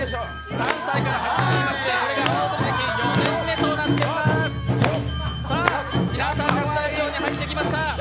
３歳から始めていまして阿波おどり歴４年目となっていますさあ、皆さん、スタジオに入ってきました。